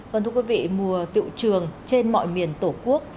vâng thưa quý vị mùa tiệu trường trên mọi miền tổ quốc